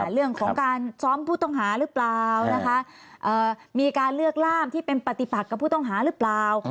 เรื่องของการซ้อมผู้ต้องหาหรือเปล่านะคะมีการเลือกล่ามที่เป็นปฏิปักกับผู้ต้องหาหรือเปล่า